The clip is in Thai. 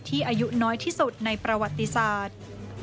อายุน้อยที่สุดในประวัติศาสตร์